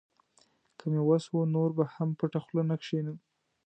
که مې وس و، نور به هم پټه خوله نه کښېنم.